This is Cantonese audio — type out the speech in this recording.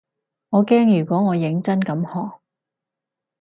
我驚如果我認真咁學